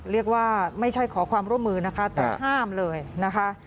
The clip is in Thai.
ไม่ใช่ขอความร่วมมือนะคะแต่ห้ามเลยนะคะ